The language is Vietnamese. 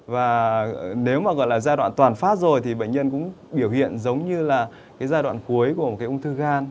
và nếu mà gọi là giai đoạn toàn phát rồi thì bệnh nhân cũng biểu hiện giống như là cái giai đoạn cuối của cái ung thư gan